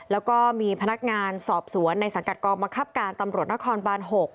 แล้วก็มีพนักงานสอบสวนในสังกัดกองบังคับการตำรวจนครบาน๖